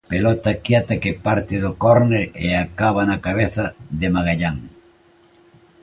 Pelota quieta que parte do córner e acaba na cabeza de Magallán.